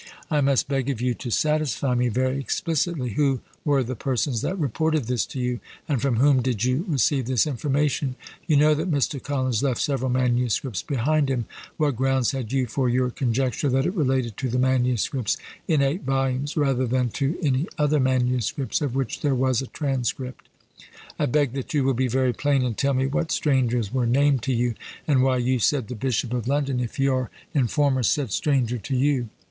I must beg of you to satisfy me very explicitly who were the persons that reported this to you, and from whom did you receive this information? You know that Mr. Collins left several MSS. behind him; what grounds had you for your conjecture that it related to the MSS. in eight vols., rather than to any other MSS. of which there was a transcript? I beg that you will be very plain, and tell me what strangers were named to you; and why you said the Bishop of London, if your informer said stranger to you.